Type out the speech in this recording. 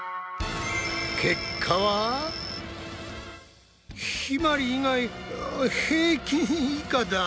結果はひまり以外平均以下だ。